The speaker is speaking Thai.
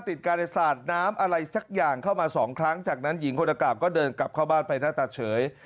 ติดการในสาดน้ำอะไรสักอย่างเข้ามาสองครั้งจากนั้นหญิงคนอากาศก็เดินกลับเข้าบ้านไปหน้าตาเฉย